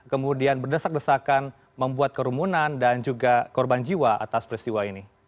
kemudian berdesak desakan membuat kerumunan dan juga korban jiwa atas peristiwa ini